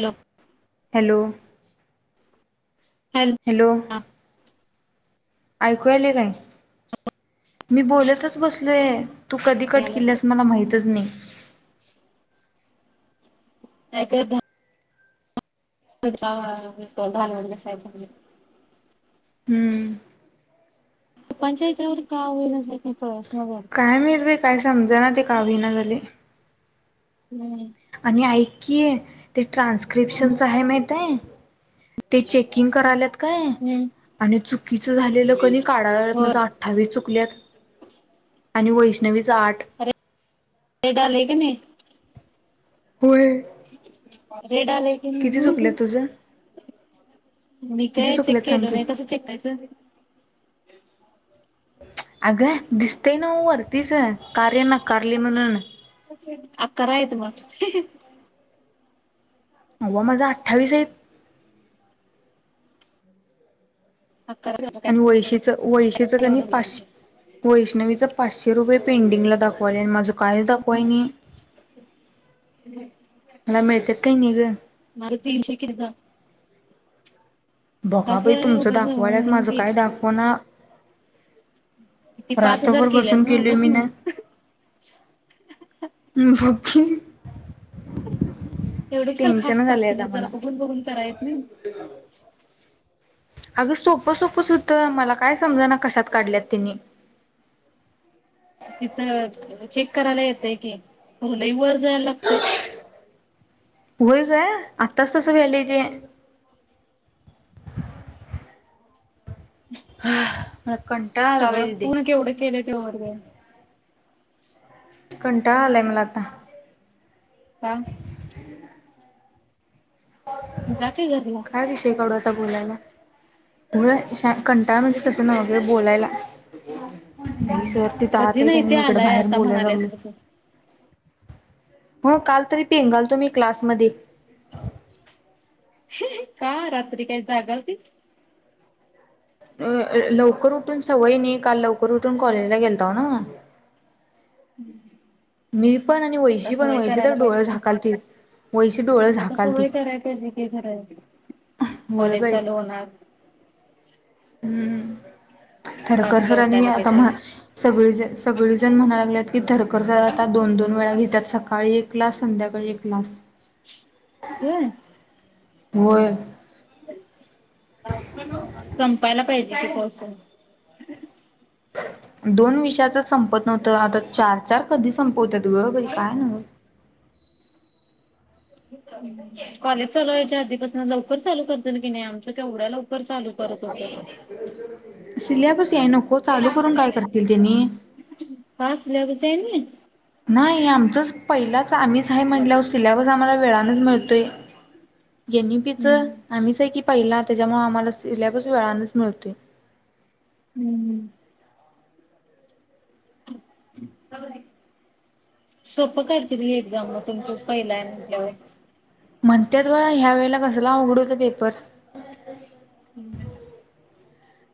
Hello. Hello. Hello. ऐकूयले काय मी बोलतच बसलोय तू कधी कट घालवत केली असं मला माहीतच नाही अध लवडला सायच हम्म पप्पांच्या याच्यावर का होईना झालं काही कळेच ना झालं. काय माहित बाई काय समजना ते का होईना झाले हो. म् बोला की आणि ऐकय ते ट्रान्स्क्रिप्शनच आहे माहितय ते चेकिंग करायलेत काय हम्म. आणि चुकीचं झालेलं कधी काढाय लात होय. माझ अठ्ठावीस चुकल्यात आणि वैष्णवीचा आठ तेडले क नाही होय रेडाले किती किंग चुकल्यात तुझं मी किती काय चेक चुकल्यात सांग केलो की नाही कसं चेक करायचं अगं दिसतय ना वरतीच कार्यानाकारली म्हणून अकरायेत मग अल्ला माझं अठ्ठावीस आहे अकरा झालं आणि काय वैशीच वैशीचं कणी एवढं बोलायचं. पाचशे वैष्णवीच पाचशे रुपये पेंडिंगला दाखवाले माझं कायच दाखवाय नाही मला मिळतात काही नाही ग. [unintelligible] बघा बाई कसले तुमचं उगाच दाखवाल्यात म्हणून माझं काय केली. दाखव ना. ती पाच हजार रात्रभर बसून केल्यास केेलोय उगाच मी ना. मग. [unintelligible] एवढे कशाला टेन्शनच खासफास आलंय आता केले जरा मला. बघून बघून करा येत नाही. अगं सोपं सोपं सुद्धा मला काय समजा ना कशात काढल्यात तिनी. [inaudible] तिथं चेक करायला येतय की हो लई वर जाया लागतय. व्हय काय आत्ताच तस व्हयले ते. ह मला कंटाळा आलाय व्हय सगळं दीदी. पूर्ण [unintelligible] कंटाळा आलाय मला आता. का जा की घरला काय विषय काढू आता बोलायला [unintelligible] बोलायला हम्म कधी नाही ते आलाय आता म्हणाल्यास बघ [unintelligible] तू हो काल तरी पिंगाल तो मी क्लासमध्ये. का रात्री काय जागा होतीस. अ अ लवकर उठून सवय नाही काल लवकर उठून कॉलेजला गेलतो ना. हम्म मी पण आणि वैशी पण वैशी तर डोळे पाहिजे की झाकालतील. आता सवय कराय पाहिजे [unintelligible] होय कॉलेज बाई चालू होणार. हम्म तर पाचला कसरनी उठायला आता पाहिजे म्हा सगळी सगळीजण म्हणायला लागलेत की थरकर सर आता दोन दोन वेळा घेतात सकाळी एक क्लास संध्याकाळी क्लास. हम होय संपायला पाहिजे ते पोर्शन. दोन विषयाच संपत नव्हतं. आता चार चार कधी संपवत्यात. की हो बाई काय नवं. कॉलेज चालू व्हायच्या आधीपासन लवकर चालू करतील, की नाही आमच केवढ्या लवकर चालू करत होतं सिल्याबस याय नको चालू करून काय करतील तेनी. का सिल्याबस [unintelligible] नाही, आमचच पहिलाच आम्हीच हाए म्हटल्यावर सिलेबस आम्हाला वेळानच मिळतोय, एम व्ही पी च हम्म आम्हीच आहे की पहिला त्याच्यामुळे आम्हाला सिल्याबस वेळानच मिळतोय. हम्म हम्म. सोप कर [unintelligible] एक्झाम मग तुमचच पहिला आहे म्हटल्यावर. म्हणत्यात बा ह्या वेळेला कसला अवघड होत पेपर.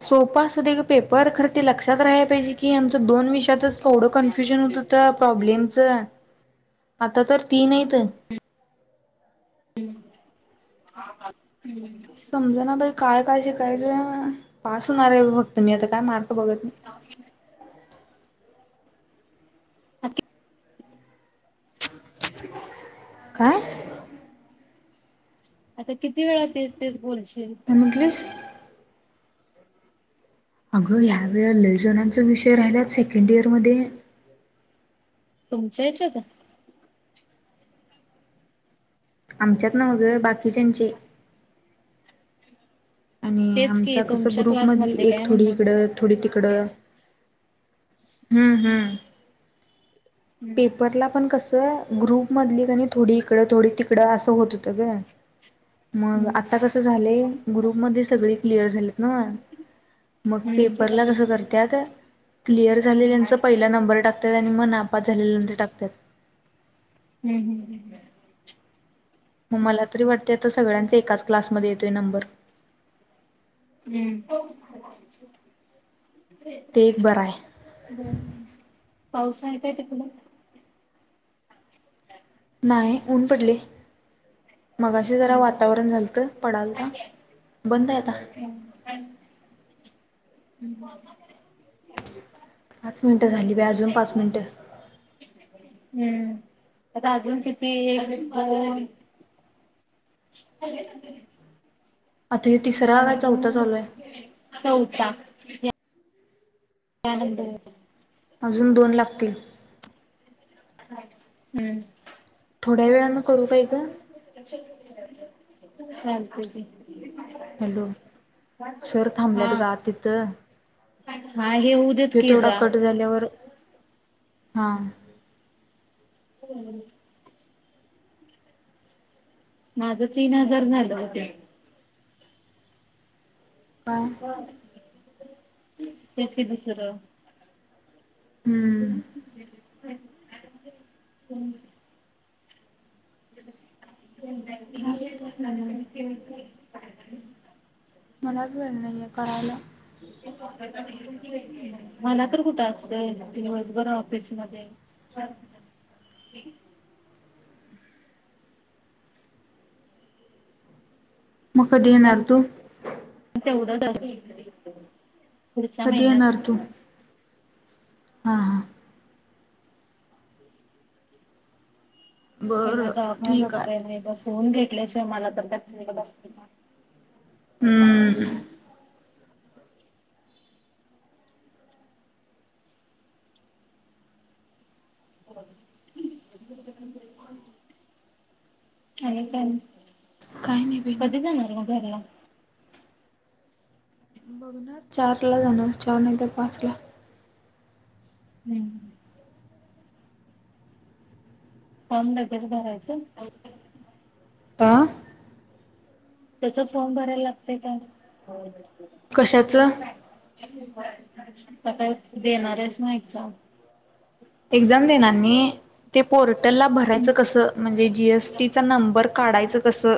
सोपा असू दे ग पेपर खरं ते लक्षात राह्या पाहिजे की, आमच दोन विषातच थोडं कन्फ्युजन होत होत प्रॉब्लेमच आता तर तीन येत आहे. [unintelligible] समजा ना बाई काय काय शिकायचं पास होणार आहे, फक्त मी आता काय मार्क बघत नाही [unintelligible] [unintelligible] [inaudible] काय? आता किती वेळा तेच तेच बोल. काय म्हटलीस? अगं या वेळे लेजनाचा विषय राहिला सेकंड इयर मध्ये. तुमच्या याच्यात? आमच्यात नाव गं बाकीच्यांचे. आणि तेच की आमचा कसं, तुमच्या ग्रुप मधली क्लासमधले एक काय थोडी म्हणणार इकडं, थोडी तिकडं. हम्् हम्म पेपरला पण कस ग्रुप मधली का थोडी इकडं, थोडी तिकडं असं होत होतं गं. मग हम्म आता कस झाले? गुरु सगळे क्लिअर झालेत ना? मग हम्म पेपरला कस करतात. क्लिअर झालेल्यांचा पहिला नंबर टाकत आणि म नापास झालेल्यांचा टाकतात. हम्म हम्म ह्. मग मला तरी वाटते, आता सगळ्यांचा एकाच क्लासमध्ये येतोय नंबर. हम्म. ते एक बरं आहे बर पाऊस आहे काय ते तिकडं? नाही, ऊन पडले. मगाशी जरा वातावरण झालतं. पडालता बंद आहेता. [unintelligible] हम्. पाच मिनिटं झाली बया अजून पाच मिनिटं. हम्म आता अजून किती? होे. आता हे अ तिसरा काय चौथा चालू आहे चौता नंद. अजून दोन लागतील. हम्म. थोड्या वेळान करू काय ग? चालतंय की. हॅलो, सर हा थांबल्यात ग आत तिथं. हा हे होऊ देत हेि की तेवढा जा कट झाल्यावर. हा. [unintelligible] [inaudible] माझं तीनजार झाला होत्यान. काय [inaudible] तेच की दुसरं. हम्म [inaudible] चालतंय [unintelligible] मलाच वेळ नाहीये करायला. मला तर कुठं असतय. दिवसभर ऑफिस मध्ये [inaudible] मग कधी येणार तू? तेवढे [unintelligible] कधी येणार तू? हा हा. याला बरं ठीक दवाखान्यात आहे येते बसुन. भेटलेचे मला तर, [unintelligible] हम्म. आणि का, काय नाही बाई ना कधी जाणार म घरला? बघणार चार ला जाणार. चार नाही तर पाच ला. हम्म. काम लेगेच भरायचं? ता, त्याचा फॉर्म भरायला लागतय का? कशाचं त काय देणारेच ना एक्झाम एक्झाम देणार नाही. ते पोरट हटल ला भरायचं कसं म्हणजे जीएसटीचा नंबर काढायचं कसं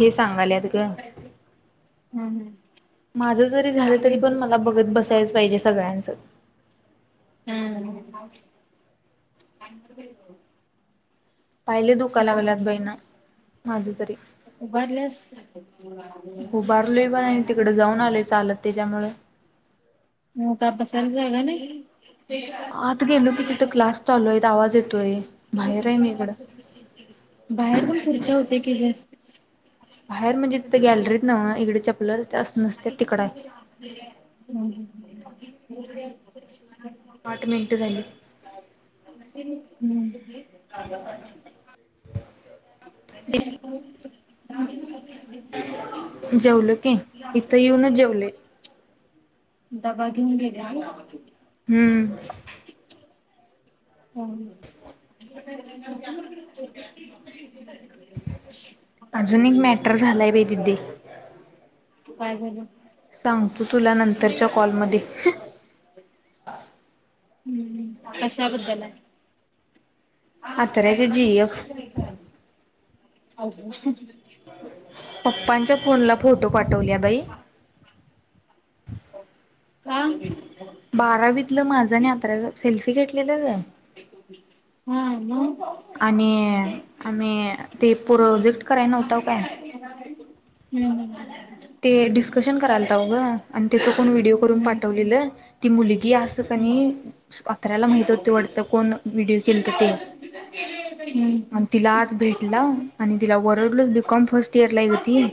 हे सांगायलेत ग माझ जरी झालं तरी पण मला बघत बसायच पाहिजे सगळ्यांचं ह [unintelligible] पाय लाई दुकाया लागल्यात बाई, माझे तरी. उभारल्यास उभारलोय पण पा आणि तिकडे [unintelligible] जाऊन आलोय चालत त्याच्यामुळे हो का बसायला जागा नाही. आता गेलो की तिथं क्लास चालूय आवाज येतोय बाहेर आहे मी इकडं बाहेर पण खुर्च्या होत्या की, बाहेर म्हणजे तिथं गॅलरीत ना इकडे चपल [unintelligible] आठ मिनिटं झाली [unintelligible] [unintelligible] [unintelligible] जेवलं की इथं येऊनच जेवले. डबा घेऊन गेलीय का? हम्म, [unintelligible] अजून एक मॅटर झालाय बै दिदे काय झालं? सांगतू तुला नंतरच्या कॉलमध्ये हम्म कशाबद्दल आहे. आतऱ्याच्या जी एफ [unintelligible] पप्पांच्या फोनला फोटो पाठवल्या बाई का! बारावीतलं माझं नाही आत्र सेल्फी घेतलेलं हा न आणि आम्ही ते प्रोजेक्ट कराय नव्हतव काय हम् ह ते डिस्कशन करायल तावग आणि त्याच कोण व्हिडिओ करून पाठवलेलं ती मुलगी अस कनी ्रला माहित होते वाटत कोण व्हिडिओ केलत ते हम्म. आणि तिला आज भेटलाव आणि तिला वरडलो बीकॉम फर्स्ट इयर लिहायच ग ती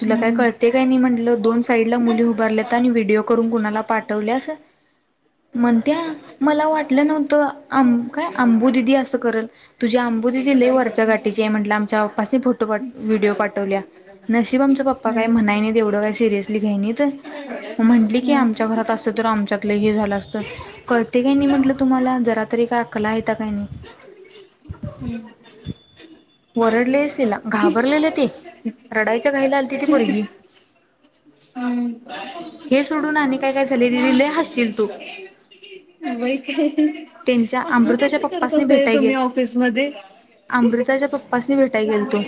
तुला काय कळते काय नाही म्हटलं दोन साईडला मुली उभारलेत आणि व्हिडिओ करून कुणाला पाठवलेसं म्हणत्या मला वाटलं नव्हतं आम काय आंबू दिदी असं करेल तुझी आंबू दिदी वरच्या गाठीची हाय म्हटल आमच्या पप्पांनी फोटो पाठवला व्हिडिओ पाठवल्याय म्हंटलं नशिबाची तुमचा पप्पा काय हम्म. म्हणाय नाही तेवढं का सिरियसली घ्यायनी तर म म्हंटली की आमच्या घरात असत तर आमच्यातलं हे झालं असतं कळते काही नाही म्हंटलं तुम्हाला जरा तरी काय आकला आहेता काय नाही वरमले तिला घाबरलेली ती रडायचं का आलते ती पोरगी हम अस हे सोडून आणि काय काय झाले दिदी लय हसशील तू त्यांच्या अमृताच्या काहीतरी करत पप्पासनी असताय भेटाय तुम्ही गेल ऑफिस मध्ये अमृताच्या पप्पासनी भेटाय गेलतो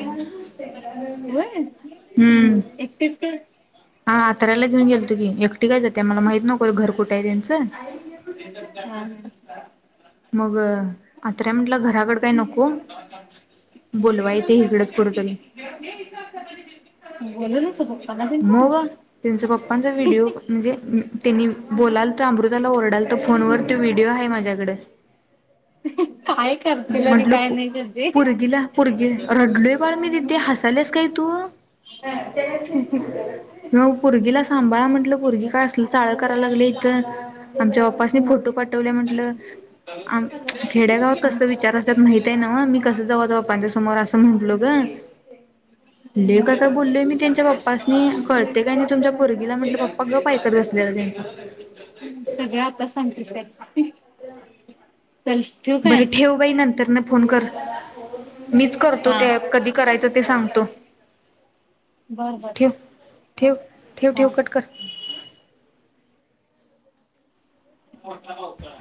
एकटेच का. हा आतरायला घेऊन गेल तुझी एकटीाय जाते मला माहित नको घर कुठे आहे त्यांचं. मग आत्र्या म्हंटलं घराकड काही नको. बोलवा येते इकडंच कुठ तरी [unintelligible] मग त्यांच्या त्यांचा पप्पांचा व्हिडिओ म्हणजे त्यांनी बोलाला त अमृत. ला ओरडाल त फोन व तो व्हिडिओ आहे माझ्याकडे. काय करतील आणि म्हंटल काय नाही सध्या पुरगीला. पुरगे रडलोय बाळ मी दिदी हसालेस काय तू. मपोरगीला सांभाळा म्हटलं पुरगी काय असल चाळ करायला लागले इथं. आमच्या बाप्पासनी फोटो पाठवले म्हंटलं आ खेड्यागावात कस विचार असतत माहित आहे ना मी कस जाऊता बापांच्या समोर असं म्हंटलो ग. ल का काय बोललोय मी त्यांच्या पप्पासनी कळते काय नाही तुमच्या पोरगीला म्हटलं पप्पा गप ऐकत बसलेलातेंच सगळ आताच सांगतेस काय. [unintelligible] चल ठेवू काय बरं ठेव बाई नंतर न फोन कर. मीच करतो हा ते कधी करायचं ते सांगतो. बर बर ठेव ठेव ठेव ठेव हा कटकर हो का का.